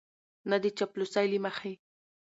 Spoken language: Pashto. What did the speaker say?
نه د چاپلوسۍ له مخې